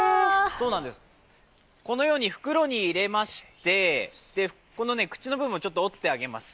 このように袋に入れまして、この口の部分をちょっと折ってあげます。